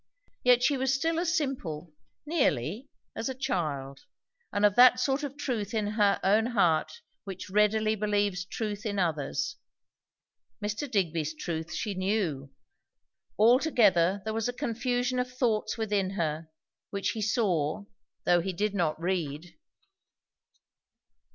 Yet she was still as simple, nearly, as a child; and of that sort of truth in her own heart which readily believes truth in others. Mr. Digby's truth she knew. Altogether there was a confusion of thoughts within her, which he saw, though he did not read.